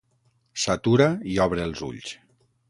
S'atura i obre els ulls.